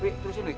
wih terusin wih